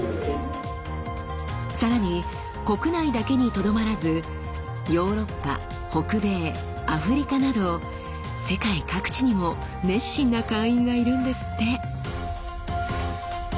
さらに国内だけにとどまらずヨーロッパ北米アフリカなど世界各地にも熱心な会員がいるんですって。